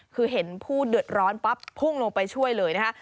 คือเห็นผู้เดือดร้อนปั๊บพุ่งลงไปช่วยเลยนะคะ